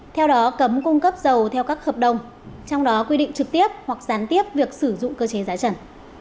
theo đó cấm cung cấp dầu theo các hợp đồng trong đó quy định trực tiếp hoặc gián tiếp việc sử dụng cơ chế giá trần